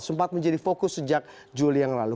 sempat menjadi fokus sejak juli yang lalu